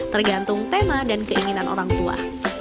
tergantung tema dan keinginan orang tua